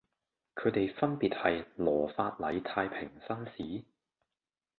佢地分別係羅發禮太平紳士